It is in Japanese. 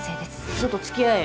ちょっと付き合えよ。